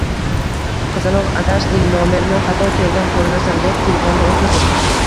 Qizaloq, adashding, nomerni xato tergan ko'rinasan, deb telefonni o'chirdim